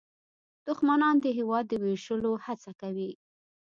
دښمنان د هېواد د ویشلو هڅه کوي